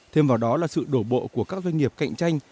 thêm vào đó là sự đổ bộ của các doanh nghiệp cạnh tranh